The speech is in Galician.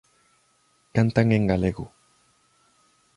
Cantan en galego.